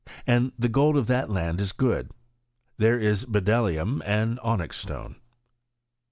And the gold of that land is good: there is bdellium and onyx stone."